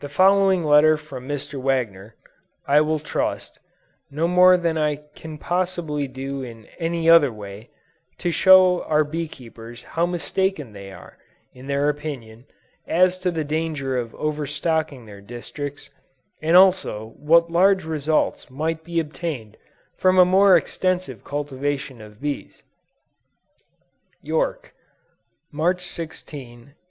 The following letter from Mr. Wagner, will I trust, do more than I can possibly do in any other way, to show our bee keepers how mistaken they are in their opinion as to the danger of overstocking their districts, and also what large results might be obtained from a more extensive cultivation of bees. YORK, March 16, 1853.